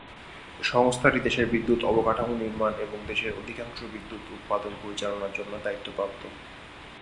সংস্থাটি দেশের বিদ্যুৎ অবকাঠামো নির্মাণ এবং দেশের অধিকাংশ বিদ্যুৎ উৎপাদন পরিচালনার জন্য দায়িত্বপ্রাপ্ত।